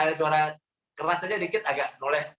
ada suara keras saja dikit agak noleh